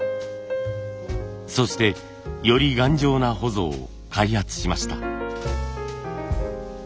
そしてより頑丈なほぞを開発しました。